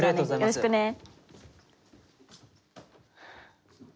よろしくね。